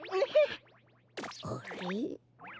あれ？